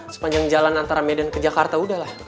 sepanjang jalan antara medan ke jakarta udahlah